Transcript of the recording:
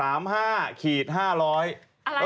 อะไรล่ะ